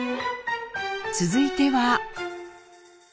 続いては。